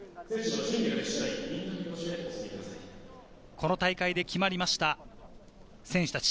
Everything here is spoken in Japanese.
この大会で決まりました選手たち。